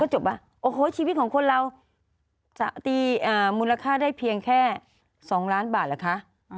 จบป่ะโอ้โหชีวิตของคนเราจะตีมูลค่าได้เพียงแค่๒ล้านบาทเหรอคะ